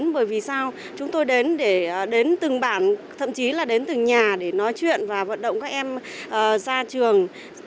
bởi vì sao chúng tôi đến để đến từng bản thậm chí là đến từng nhà để nói chuyện và vận động các em ra trường